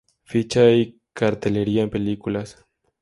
Ficha y cartelería en películas